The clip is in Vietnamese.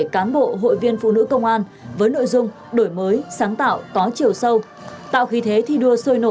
cần hướng về cơ sở đa dạng hóa và cụ thể hóa